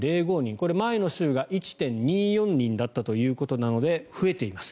これ、前の週が１．２４人だったということなので増えています。